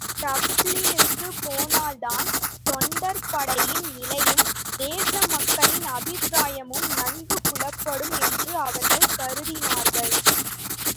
டப்ளினுக்குப் போனால்தான் தொண்டர்படையின் நிலையும், தேசமக்களின் அபிப்பிராயமும் நன்கு புலப்படும் என்று அவர்கள் கருதினார்கள்.